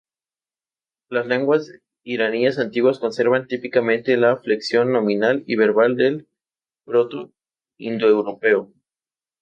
Las lenguas iranias antiguas conservan típicamente la flexión nominal y verbal del proto-indoeuropeo.